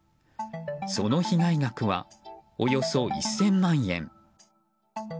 その被害額はおよそ１０００万円。